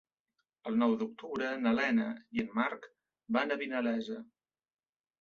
El nou d'octubre na Lea i en Marc van a Vinalesa.